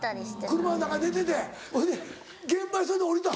車の中寝ててほれで現場にそれで降りた？